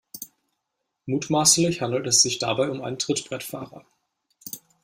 Mutmaßlich handelt es sich dabei um einen Trittbrettfahrer.